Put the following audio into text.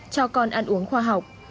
cho con ăn uống khoa học